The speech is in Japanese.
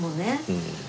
うん。